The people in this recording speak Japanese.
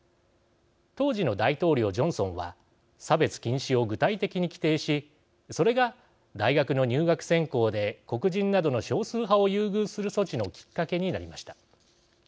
当時の大統領ジョンソンは差別禁止を具体的に規定しそれが大学の入学選考で黒人などの少数派を優遇する措置のきっかけになりました。